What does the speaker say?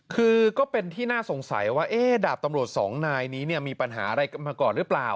คือก็เป็นที่น่าสงสัยว่าดาบตำรวจสองนายนี้มีปัญหาอะไรกันมาก่อนหรือเปล่า